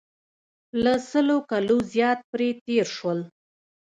له سلو کالو زیات پرې تېر شول.